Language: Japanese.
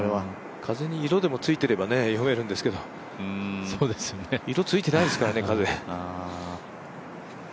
風に色でもついていれば読めるんですけど、色ついてないですからね、風。